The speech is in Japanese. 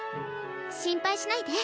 心配しないで。